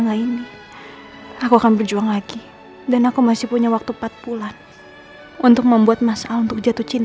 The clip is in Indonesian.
dari awal pertama ketemu aku cuma udah sayang